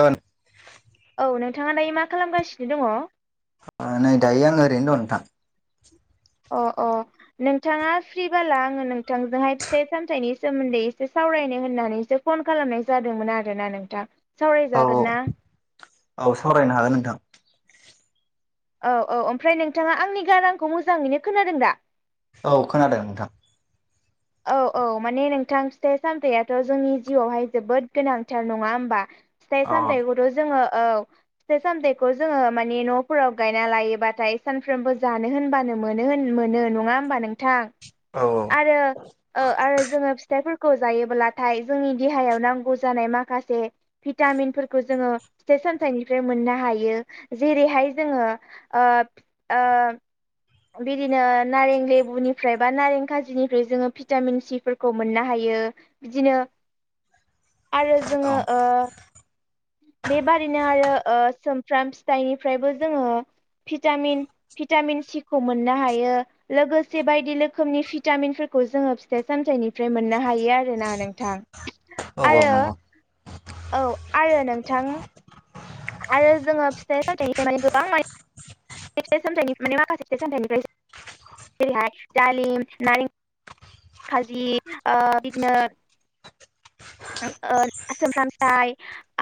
ओन औ नोंथाङा दायो मा खालामगासिनो दङ'? ओ नै दायो आं ओरैनो दं नोंथां। अह अह। नोंथाङा फ्रि बाला आङो नोंथांजोंहाय फिथाइ सामथाइनि सोमोन्दै एसे सावरायनो होननानैसो फन खालामनाय जादोंमोन आरोना नोंथां औ सावरायजागोन ना? औ सावरायनो हागोन नोंथां। औ औ ओमफ्राय नोंथाङा आंनि गारांखौ मोजाङैनो खोनादों दा? औ खोनादों नोंथां। औ औ माने नोंथां फिथाइ सामथाइआथ' जोंनि जिउआवहाय जोबोद गोनांथार नङा होमबा? फिथाइ अ सामथाइखौथ' जोङो औ। फिथाइ सामथाइखौ जोङो मानि न'फोराव गायना लायोबाथाय सानफ्रोमबो जानो होनबानो मोन होन मोनो नङा होमबा नोंथां? औ औ। [unintelligible] ओ आरो जोङो फिथाइफोरखौ जायोब्लाथाय जोंनि देहायाव नांगौ जानाय माखासे भिटामिनफोरखौ जोङो फिथाइ सामथाइनिफ्राय मोननो हायो जेरैहाय जोङो ओब ओह बिदिनो नारें लेबुनिफ्राय बा नारें खाजिनिफ्राय जोङो भिटामिन सिफोरखौ मोननो हायो। बिदिनो आरो औ जोङो ओ बेबादिनो आरो ओ सोमफ्राम फिथाइनिफ्रायबो जोङो भिटामिन भिटामिन सि खौ मोननो हायो लोगोसे बायदि लोखोमनि भिटामिनफोरखौ जोङो फिथाइ सामथाइनि फ्राय मोननो हायो आरोना नोंथां औ औ आरो नंगौ औ आरो नोंथां आरो जोङो फिथाइ सामथाइनिफ्राय माने गोबां माने फिथाइ सामथाइनि माने माखासे फिथाइ सामथाइनिफ्रायसो जेरैहाय दालिम नारें खाजि ओ बिदिनो ओ सोमफ्राम फिथाइ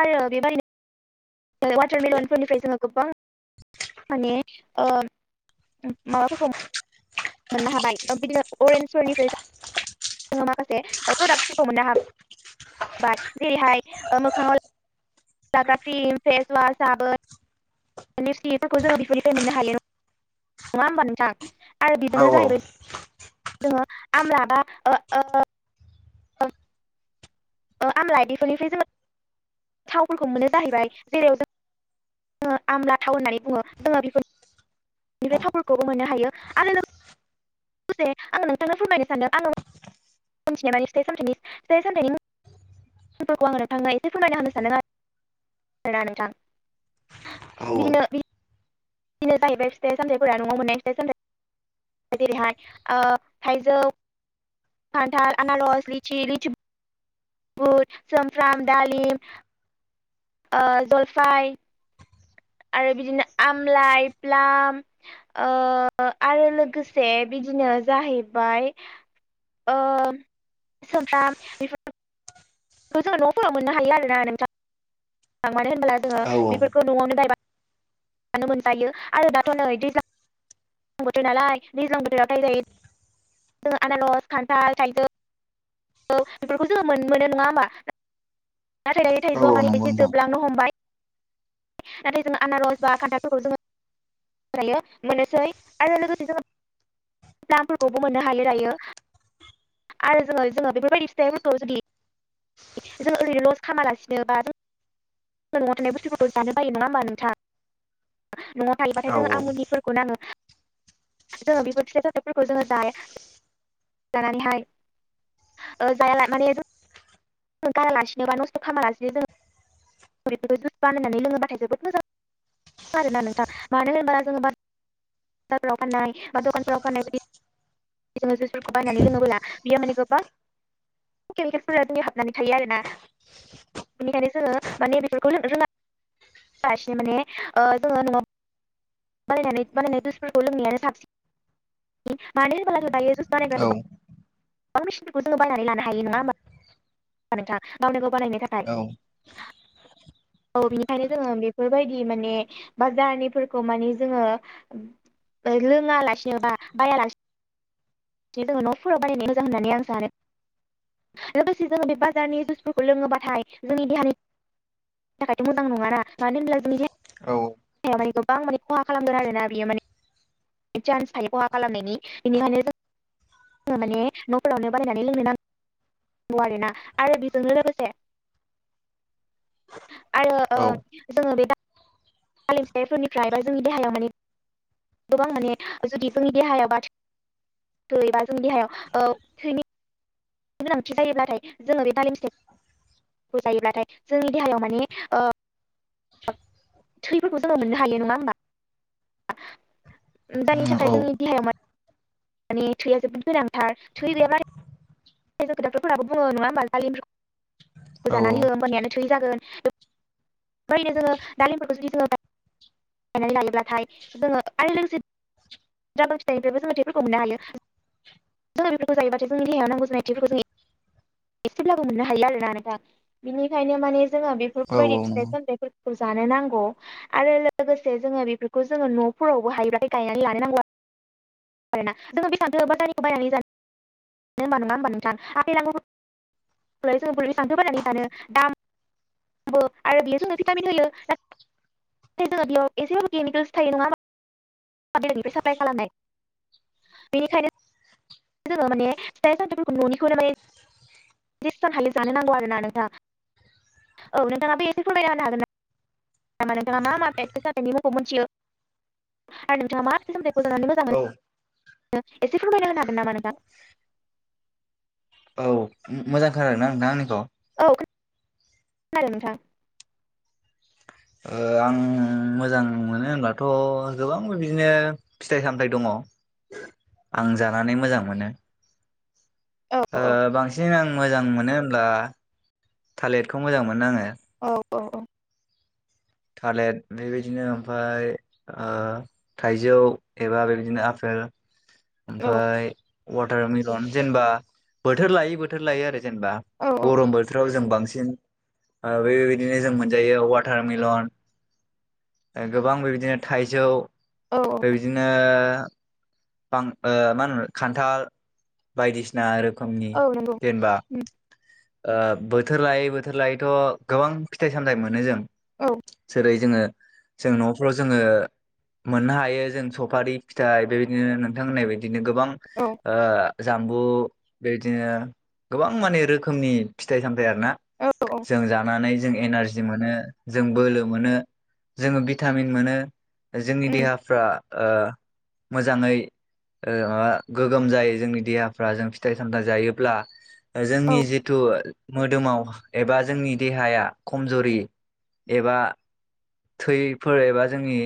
आरो बेबायदिनो वाटारमेलनफोरनिफ्राय जोङो गोबां माने ओ माबाफोरखौ मोननो हाबाय बिदिनो [unintelligible] फोरनिफ्राय जोङो माखासे ओ प्रडाक्टसफोरखौ मोननो हा [unintelligible] जेरैहाय ओ मोखाङाव लाग्रा क्रिम, फेसवास, साबोन [unintelligible] फोरखौ जोङो बेफोरनिफ्राय मोननो हायो नङा होमबा नोंथां? आरो औ बेजोंनो औ जाहैबाय जोङो आमला बा ओ ओ [unintelligible] ओ आमलाय बेफोरनिफ्राय जोङो थावफोरखौ मोनो जाहैबाय, जेराव जों जोङो आमला थाव होननानै बुङो जोङो बेफोरखौ बिनिफ्राय थावफोरखौबो मोननो हायो आरो लो गोसे आङो नोंथांनो फोरमायनो सानदों आङो मिथिनाय बाय फिथाइ सामथाइनि फिथाइ सामथाइनि मुंफोरखौ आङो नोंथांनो एसे फोरमायना होनो सानदों आर ना नोंथां औ बिदिनो बि बिदिनो जाहैबाय फिथाइ सामथाइफोरा न'आव मोननाय फिथाइ सामथाइ जेरैहाय ओ थाइजौ खान्थाल आनारस लिसि लिसि बुद सोमफ्राम दालिम ओ जलफाइ आरो बिदिनो आमलाइ, प्लाम ओ आरो लोगोसे बिदिनो जाहैबाय ओ सोमफ्राम बेफोर खौ जों न'फोराव मोननो हायो आरोना नोंथां। मानो होनोब्ला जोङो औ बेफोरखौ न'आवनो गायबानो मोनजायो आरो दाथ' नै दैज्लां दैज्लां बोथोर नालाय दैज्लां बोथोराव थाय जायो ज' आनारस, खान्थाल, थाइजौ औ बेफोरखौ जोङो मोन-मोनो नङा होमबा? नाथाइ दायो थाइजौआ औ माने नंगौ एसे नोंथां जोबलांनो हमबाय। नाथाय जोङो आनारस बा खान्थालफोरखौ जोङो जायो मोननोसै आरो लोगोसे जोङो फ्लामफोरखौबो मोननो हायो दायो। आरो जोङो जोङो बेफोरबायदि फिथाइफोरखौ जुदि जों ओरैनो लस खालामालासिनो बा जों न'आव थानाय बुस्थुफोरखौ जानो बायो नङा होमा नोंथा? न'आव थायोबाथाय औ जोङो आमुनिफोरखौ नाङो जोङो बेफोर फिथाइ सामथाइफोरखौ जोङो जाया। जानानैहाय ओ जायाला माने जों गारालासिनोबा नस्थ' खालामालासिनो जों बेफोरखौ जुइस बानायनानै लोङोबाथाय जोबोद मोजां। आरोना नोंथां। मानो होनबा जोङो बा जाराव फाननाय बा दखानफोराव फाननाय जोङो जुसफोरखौ बायनानै लोङोब्ला बियो माने गोबां केमिकेलफोरा हाबनानै नानै थायो आरोना। बेनिखायनो जोङो माने बेफोरखौ रो-लोङा लासिनो माने ओ जोङो न'आव बानायनानै बानायनानै जुइसफोरखौ लोंनायानो साबसिन। मानो होनोब्ला दायो जुइस बानायग्रा औ गोबां बां मिसिनखौ जों बायनानै लानो हायो नङा होनबा? होनबा नोंथां गावनो गाव बानायनो थाखाय। औ औ बिनिखायनो जोङो बेफोरबायदि माने बाजारनिफोरखौ माने जोङो ओ लोङा लासिनोबा बायालासिनो बिदिनो जों न'फोराव बानायनो मोजां होननानै आं सानो। लोगोसे जोङो बे बाजारनि जुइसफोरखौ लोङोबाथाय जोंनि देहानि नि थाखायथ' मोजां नङाना मानो होनब्ला जोंनि औ। [unintelligible] गोबां माने खहा खालामगोन आरोना बियो माने चान्स थायो खहा खालामनायनि बेनिखायनो जों जोङो माने न'फोरावनो बायनानै लोंनो नां गौ आरोना आरो बेजोंनो लोगोसे आरो जोङो बे दा हालेंसायारिफोरनिफ्राय बा जोंनि देहायाव माने गोबां माने जुदि जोंनि देहाया बा थैबा जोंनि देहायाव ओ गोनांथि जायोब्लाथाय जोङो बे दालिम फिथाइखौ जायो नाथाय जोंनि देहायाव माने थैफोरखौ जोङो मोननो हायो नङा होमबा दानि थाखाय नंगौ औ जोंनि देहायाव मानि थैया जोबोद गोनांथार थै गैयाव्ला आरो [unintelligible] बुङो नङा होनोमबा दालिम जानानै हो होनबनायानो थोै जागोन ओमफ्रायनो जोङो दालिमफोरखौ जुदि जोङो बायनानै लायोब्लाथाय जोङो आरो लोगोसे जाबांखिनाय बेबो जों [unintelligible] मोननो हायो जोङो बेफोरखौ जायोबाथाय देहायाव नांगौ जानाय थैफोरखौ जोङो ए एसेब्लाबो मोननो हायो आरोना नोंथां। बिनिखायनो माने जोङो बेफोरबायदि फिथाइ सामथाइफोर खौ जानो नांगौ। आरो लोगोसे जोङो बेफोरखौ जोङो न'फोरावबो हायोब्लाथाय गायनानै लानाय नांगौ आ आरोना जोङो बेसेबांथो बाजारनिखौ बायनानै जानो होमबा नङा होनमबा नोंथां? आफेल, आंगुर खौलाय जोंलाय बोरै बेसांथो बायनानै जानो दाम [unintelligible] आरो बे जोंनो भिटामिन होयो। नाथाय जोङो बेयाव एसेबाबो केमिकेल्स थायो नङा होमबा? पाब्लिकनिफ्राय साप्लाय खालामनाय बेनिखायनो जोङो माने फिथाइ सामथाइफोरखौ न'निखौनो माने [unintelligible] जानो नांगौ आरो ना नोंथां औ नोंथाङाबो एसे फोरमायना होनो हागोन ना मा नोंथाङा मा मा [unintelligible] जामानायनि मुंखौ मिथियो आरो नोंथाङा मा फिथाइ सामथाइखौ जानानै मोजां मोनो औ एसे फोरमायना होनोन हागोन नामा नोंथां? मोजां खोनादोंना नोंथां आंनिखौ? औ खो खोनादों नोंथां। ओ आं मोजां मोनो होनबाथ' गोबां बिदिनो फिथाइ सामथाइ दङ आं जानानै मोजां मोनो। औ ओ औ बांसिन आं मोजां मोनो होनब्ला थालिरखौ मोजां मोनो आङो औ औ औ थालेट बेबायदिनो ओमफाय ओ थाइजौ एबा बेबायदिनो आफेल औ ओमफ्राय वाटार मिलन जेनेबा बोथोर लायै बोथोर लायो आरो जेनेबा गरम बोथोराव जों बांसिन ओ बेबायदिनो जों मोनजायो वाटारमेलन गोबां बेबायदिनो थाइजौ औ औ बिदिनो बां ओ मा होनो खान्थाल बायदिसिना रोखोमनि औ नंगौ जेनेबा उम, ओ बोथोर लायै बोथोर लायैथ' गोबां फिथाइ सामथाय मोनो जों। औ जेरै जोङो जों न'फ्राव जोङो मोननो हायो जों सफारि फिथाइ बेबायदि नोंथां होननाय बदिनो गोबां औ ओ जाम्बु बेबायदिनो गोबां माने रोखोमनि फिथाइ सामथायाइ आरो ना औ जों जानानै जों एनारजि मोनो जों बोलो मोनो जोङो भिटामिन मोनो जोंनि उम, देहाफ्रा ओ मोजाङै ओ माबा गोगोम जायो जोंनि देहाफ्रा जों फिथाइ सामथाइ जायोब्ला औ जोंनि जि थु मोदोमाव एबा जोंनि देहाया खमजरि एबा थैफोर एबा जोंनि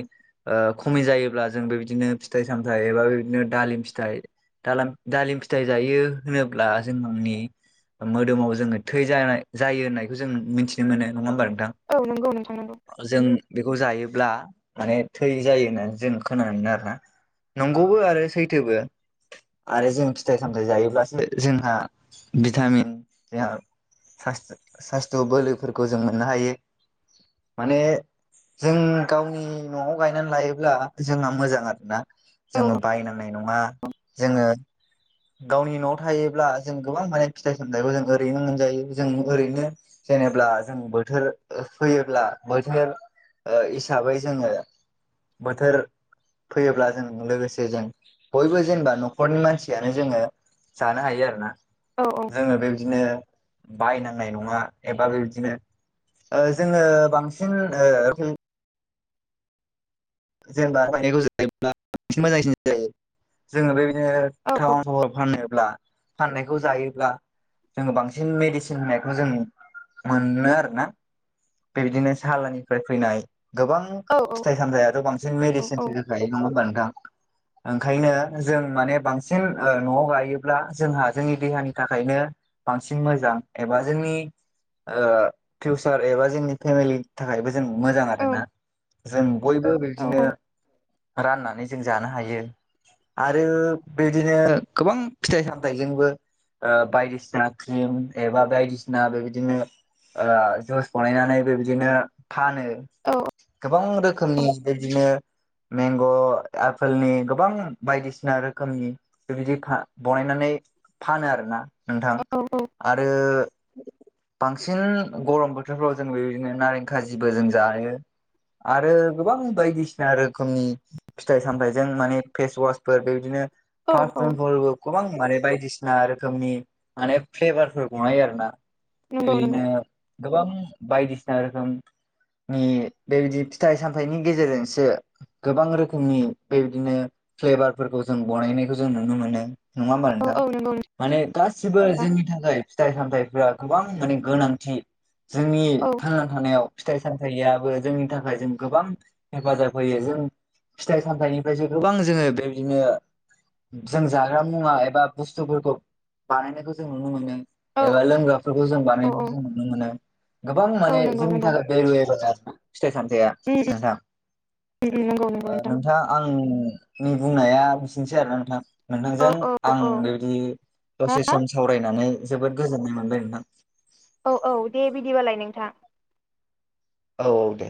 ओ खमि जायोब्ला जों बेबायदिनो फि थाइ सामथाय एबा बिदिनो दालिम फिथाइ दालाम दालिम फिथाइ जायो होनोब्ला जोंनि मोदोमाव जोङो थै जानाय जायो होननायखौ जों मिथिनो मोनो नङा होमबा नोंथां? औ नंगौ नोंथां नंगौ। जों बेखौ जायोब्ला माने थै जायो होननानै जों खोनानो मोनो आरोना। नंगौबो आरो सैथोबो। आरो जों फिथाइ सामथाइ जायोब्लासो जोंहा भिटामिन जोहा सास्थ सास्थ' बोलोफोरखौ जों मोननो हायो माने जों गावनि न'आव गायनानै लायोब्ला जोंहा मोजां आरोना। औ जोङो बायनांनाय नङा जोङो गावनि न'आव थायोब्ला जों गोबां माने फिथाइ सामथाइखौ जों ओरैनो मोनजायो जों ओरैनो जेनेब्ला जों बोथोर फैयोब्ला बोथोर ओ हिसाबै जोङो बोथोर फैयोब्ला जों लोगोसे जों बयबो जेनेबा न'खरनि मानसि यानो जोङो जानो हायो आरोना औ औ जोङो बेबदिनो बायनांनाय नङा एबा बेबदिनो ओ जोङो बांसिन ओ जेनेबा [unintelligible] जायोब्ला बां मोजांसिन जायो। जोङो बेबायदिनो औ टाउन सहर फानोब्ला फाननायखौ जायोब्ला जोङो बांसिन मेडिसिन होनायखौ जों मोनो आरो ना बेबायदिनो साहालाननिफ्राय फैनाय गोबां औ औ फिथाइ सामथाइयाथ' बांसिन औ मेडिसिनसो होखायो नङा होनबा नोंथां? ओंखायनो जों माने बांसिन ओ न'आव गाइयोब्ला जोंहा जोंनि देहानि थाखायनो बांसिन मोजां एबा जोंनि ओ फिउसार एबा जोंनि फेमिलि थाखायबो जों मोजां आरोना जों बयबो बेबायदिनो राननानै जों जानो हायो आरो बेबायदिनो गोबां फिथाइ सामथाइजोंबो ओ बायदिसिना क्रिम एबा बायदिसिना बेबायदिनो ओ जुइस बानायनानै बेबायदिनो फानो गोबां रोखोमनि बेबायदिनो मेंग' आपोलनि गोबां बायदिसिना रोखोमनि बेबायदि फा बनायनानै फानो आरोना। नोंथां आरो बांसिन गरम बोथोरफ्राव जों बेबायदिनो नारें खाजिबो जों जायो। आरो गोबां बायदिसिना रोखोमनि फिथाइ सामथाइजों माने फेस वासफोर बेबायदिनो पारफुमफोरबो गोबां माने बायदिसिना रोखोमनि माने फ्लेभारफोर बनायो आरोना। नंगौ नंगौ [unintelligible] गोबां बायदिसिना रोखोमनि बेबायदि फिथाइ सामथाइनि गेजेरजोंसो गोबां रोखोमनि बेबायदिनो फ्लेभारफोरखौ जों बनायनायखौ जों नुनो मोनो। नङा होमबा औ नोंथां? औ नंगौ माने गासिबो नोंथां जोंनि थाखाय फिथाइ सामथाइफोरा गोबां माने गोनांथि। जोंनि औ थांना थानायाव फिथाइ सामथाइयाबो जोंनि थाखाय जों गोबां हेफाजाब होयो जों फिथाइ सामथाइनिफ्रायसो गोबां जोङो बेबायदिनो जों जाग्रा मुवा एबा बुस्थुफोरखौ बानायनायखौ जों नुनो मोनो। औ एबा लोंग्राफोरखौ जों औ बानायनायखौ जों नुनो मोनो गोबां औ माने नंगौ जोंनि नंगौ थाखाय [unintelligible] फिथाइ सामथाइया उम नोंथां। उम नंगौ नंगौ ओ नोंथां आंनि बुंनाया बिसिनोसै आरो नोंथां नोंथांजों औ औ आं औ बेबायदि दसे हा सम सावरायनानै जोबोद गोजोननाय मोनबाय नोंथां। औ औ दे बिदिबालाय नोंथां। औ औ दे।